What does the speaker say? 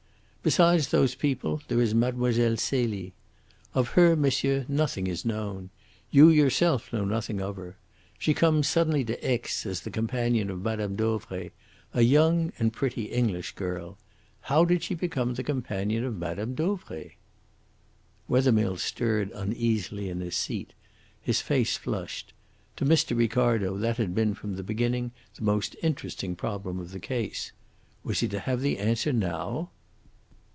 Besides those people, there is Mlle. Celie. Of her, monsieur, nothing is known. You yourself know nothing of her. She comes suddenly to Aix as the companion of Mme. Dauvray a young and pretty English girl. How did she become the companion of Mme. Dauvray?" Wethermill stirred uneasily in his seat. His face flushed. To Mr. Ricardo that had been from the beginning the most interesting problem of the case. Was he to have the answer now?